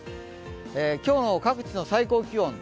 今日の各地の最高気温。